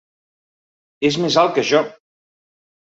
És més alt que jo!